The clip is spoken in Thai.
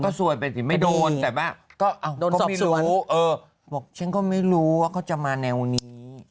ดูมันง่ายแล้วคุณแม่แต่ว่าก็โปรดส่วนผมว่าฉังไม่รู้ว่าก็จะมาแนวนี้